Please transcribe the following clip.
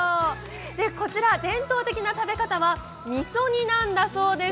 伝統的な食べ方はみそ煮なんだそうです。